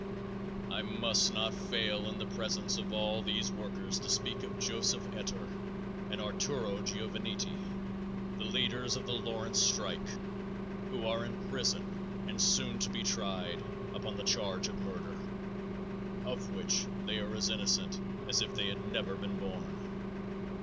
_ I must not fail in the presence of all these workers to speak of Joseph Ettor and Arturo Giovannitti, the leaders of the Lawrence strike, who are in prison and soon to be tried upon the charge of murder, of which they are as innocent as if they had never been born.